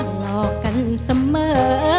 ทั้งในเรื่องของการทำงานเคยทำนานแล้วเกิดปัญหาน้อย